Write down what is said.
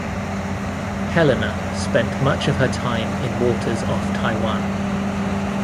"Helena" spent much of her time in waters off Taiwan.